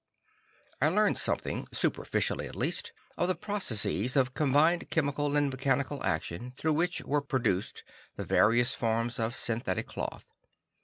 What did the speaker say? I learned something, superficially at least, of the processes of combined chemical and mechanical action through which were produced the various forms of synthetic cloth.